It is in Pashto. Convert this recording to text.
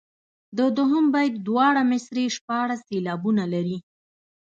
د دوهم بیت دواړه مصرعې شپاړس سېلابونه لري.